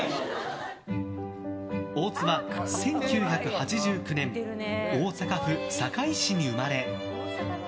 大津は１９８９年大阪府堺市に生まれ